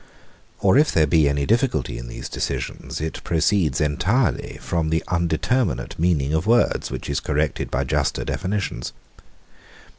Or if there be any difficulty in these decisions, it proceeds entirely from the undeterminate meaning of words, which is corrected by juster definitions.